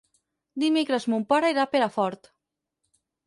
Dimecres mon pare irà a Perafort.